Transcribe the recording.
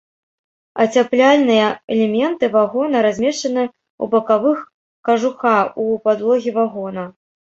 Ацяпляльныя элементы вагона размешчаны ў бакавых кажуха ў падлогі вагона.